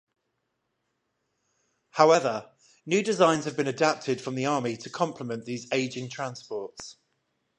However, new designs have been adapted from the army to complement these aging transports.